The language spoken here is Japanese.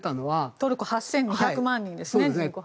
トルコの人口は８５００万人ですね。